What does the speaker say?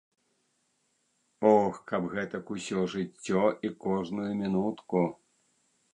Ох, каб гэтак усё жыццё і кожную мінутку.